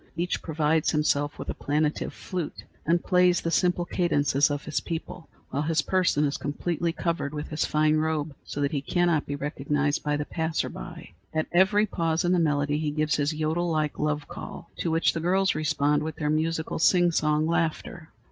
Each provides himself with the plaintive flute and plays the simple cadences of his people, while his person is completely covered with his fine robe, so that he cannot be recognized by the passer by. At every pause in the melody he gives his yodel like love call, to which the girls respond with their musical, sing song laughter.